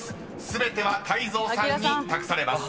［全ては泰造さんに託されます］